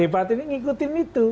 yang hebat hebat ini ngikutin itu